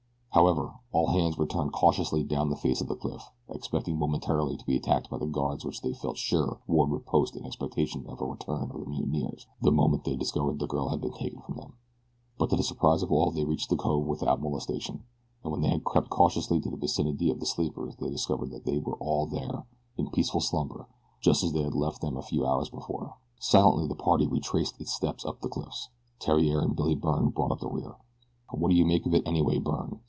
However, all hands returned cautiously down the face of the cliff, expecting momentarily to be attacked by the guards which they felt sure Ward would post in expectation of a return of the mutineers, the moment they discovered that the girl had been taken from them; but to the surprise of all they reached the cove without molestation, and when they had crept cautiously to the vicinity of the sleepers they discovered that all were there, in peaceful slumber, just as they had left them a few hours before. Silently the party retraced its steps up the cliff. Theriere and Billy Byrne brought up the rear. "What do you make of it anyway, Byrne?"